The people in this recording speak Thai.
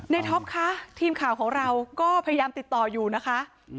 ท็อปคะทีมข่าวของเราก็พยายามติดต่ออยู่นะคะ